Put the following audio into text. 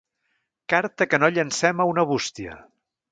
Carta que no llancem a una bústia.